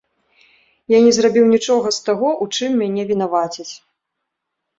Я не зрабіў нічога з таго, у чым мяне вінавацяць.